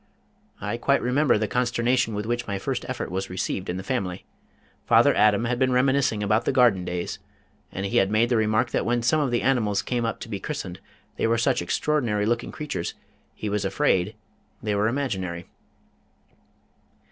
I quite remember the consternation with which my first effort was received in the family. Father Adam had been reminiscing about the Garden Days, and he had made the remark that when some of the animals came up to be christened they were such extraordinary looking creatures he was afraid they were imaginary.